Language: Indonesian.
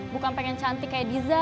bukan pengen cantik kayak disa